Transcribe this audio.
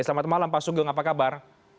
selamat malam pak sugeng apa kabar